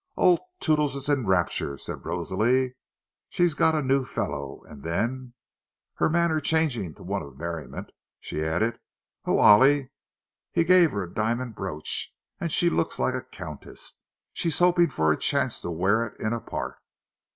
"Oh, Toodles is in raptures," said Rosalie. "She's got a new fellow." And then, her manner changing to one of merriment, she added: "Oh, Ollie! He gave her a diamond brooch! And she looks like a countess—she's hoping for a chance to wear it in a part!"